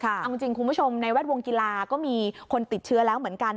เอาจริงคุณผู้ชมในแวดวงกีฬาก็มีคนติดเชื้อแล้วเหมือนกัน